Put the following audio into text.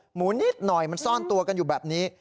หมูนิดหน่อยมันซ่อนตัวกันอยู่แบบนี้